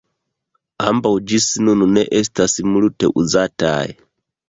Ambaŭ ĝis nun ne estas multe uzataj.